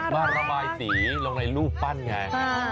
มาระบายสีลงในรูปปั้นไง